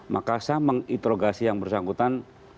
maka saya menginterogasi yang bersangkutan